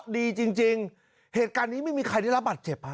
ดีจริงเหตุการณ์นี้ไม่มีใครได้รับบาดเจ็บฮะ